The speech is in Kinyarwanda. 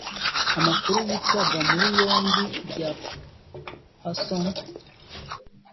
Amakuru y’itabwa muri yombi rya Pacson